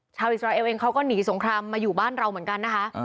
อิสราเอลเองเขาก็หนีสงครามมาอยู่บ้านเราเหมือนกันนะคะ